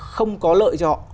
không có lợi cho họ